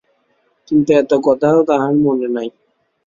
কিন্তু এত কথাও তাঁহার মনে হয় নাই।